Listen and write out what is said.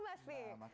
puasa makin lemes sih